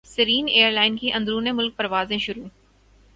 سیرین airline کی اندرون ملک پروازیں شروع